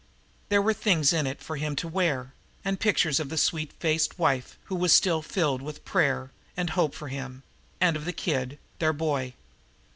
There were things in it for him to wear, and pictures of the sweet faced wife who was still filled with prayer and hope for him, and of the kid, their boy.